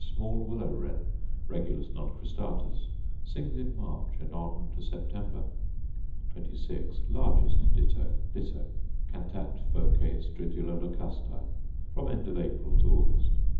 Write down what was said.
Small willow wren, Regulus non cristatus: Sings in March and on to September. 26. Largest ditto, Ditto: Cantat voce stridula locustae: from end of April to August.